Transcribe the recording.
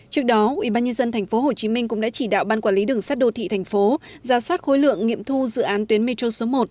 trước đó ubnd tp hcm cũng đã chỉ đạo ban quản lý đường sắt đô thị thành phố ra soát khối lượng nghiệm thu dự án tuyến metro số một